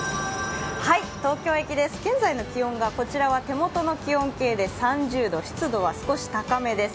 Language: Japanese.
東京駅です、現在の気温が手元の気温計で３０度湿度は少し高めです。